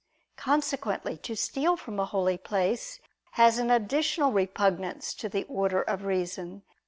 Consequently to steal from a holy place has an additional repugnance to the order of reason.